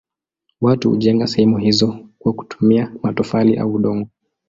Watu hujenga sehemu hizo kwa kutumia matofali au udongo.